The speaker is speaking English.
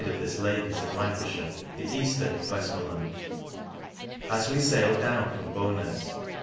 299 of this lake is in Lancajbire r the eaftern in Weftmor land. As we failed down from Bownas, we.